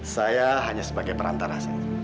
saya hanya sebagai perantara